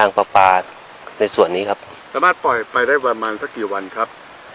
ตั้งประมาณสักกี่วันครับ